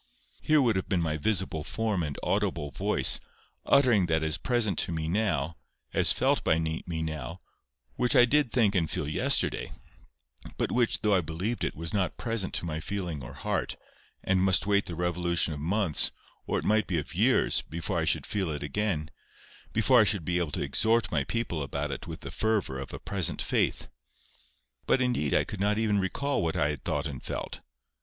Here would have been my visible form and audible voice, uttering that as present to me now, as felt by me now, which I did think and feel yesterday, but which, although I believed it, was not present to my feeling or heart, and must wait the revolution of months, or it might be of years, before I should feel it again, before I should be able to exhort my people about it with the fervour of a present faith. But, indeed, I could not even recall what I had thought and felt.